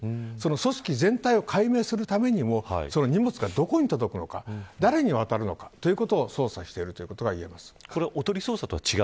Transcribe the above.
組織全体を解明するためにもその荷物が、どこに届くのか誰に渡るのかということを捜査しているということが言えます。